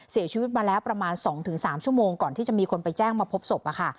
เสียชีวิตมาแล้วประมาณ๒๓ชั่วโมงก่อนที่จะมีคนไปแจ้งมาพบศพค่ะ